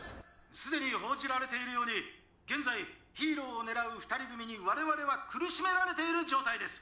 すでに報じられているように現在ヒーローを狙う２人組に我々は苦しめられている状態です。